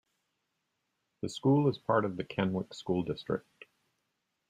The school is part of the Kennewick School District.